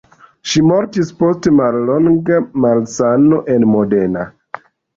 Ŝi mortis post mallonga malsano en Modena.